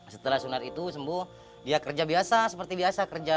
setelah sunar itu sembuh dia kerja biasa seperti biasa kerja